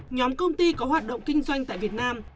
nhóm công ty có hoạt động kinh doanh tại việt nam